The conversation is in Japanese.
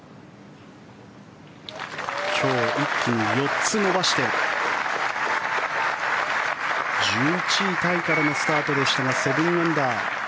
今日、一気に４つ伸ばして１１位タイからのスタートでしたが７アンダー。